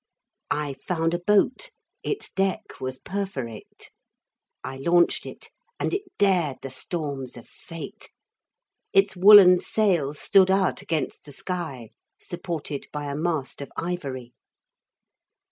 I found a boat, its deck was perforate; I launched it, and it dared the storms of fate. Its woollen sail stood out against the sky, Supported by a mast of ivory.